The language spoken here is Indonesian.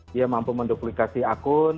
dia mampu menduplikasi akun